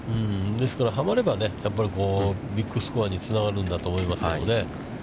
ですから、はまればやっぱりビッグスコアにつながるんだと思いますけれどもね。